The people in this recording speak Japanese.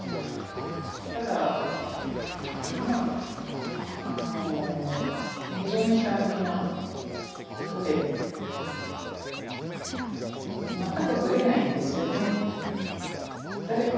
ただまああの非常にひたむきな人で全くブレないんですよね。